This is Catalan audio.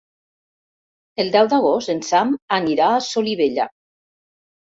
El deu d'agost en Sam anirà a Solivella.